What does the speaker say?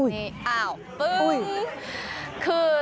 นี่อ้าวปึ้ง